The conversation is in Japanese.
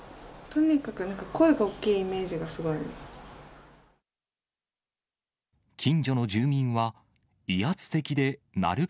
とにかくなんか声が大きいイメージがすごいある。